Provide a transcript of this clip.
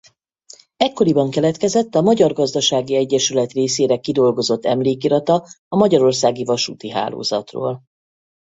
Ekkoriban keletkezett a magyar gazdasági egyesület részére kidolgozott emlékirata a magyarországi vasúti hálózatról.